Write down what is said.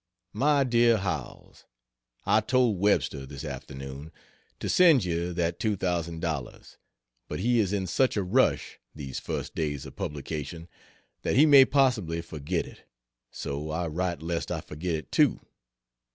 MY DEAR HOWELLS, I told Webster, this afternoon, to send you that $2,000; but he is in such a rush, these first days of publication, that he may possibly forget it; so I write lest I forget it too.